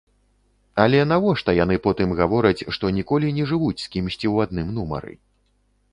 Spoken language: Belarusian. Але навошта яны потым гавораць, што ніколі не жывуць з кімсьці ў адным нумары?